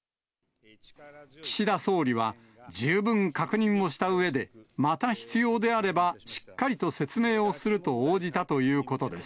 岸田総理は、十分確認をしたうえで、また必要であればしっかりと説明をすると応じたということです。